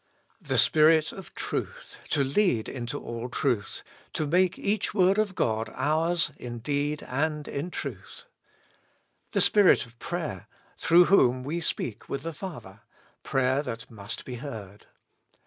The Spirit of truth to lead into all truth, to make each word of God ours in deed and in truth. The Spirit of prayer, through whom we speak with the Father ; prayer that must be heard.